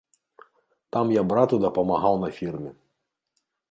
Там я брату дапамагаў на фірме.